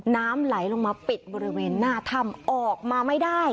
น้ำไหลลงมาปิดบริเวณหน้าถ้ำออกมาไม่ได้